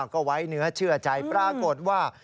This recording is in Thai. ก็ไว้เนื้อเชื่อใจปรากฏว่า